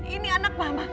ini anak mama